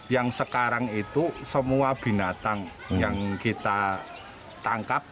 yang sekarang itu semua binatang yang kita tangkap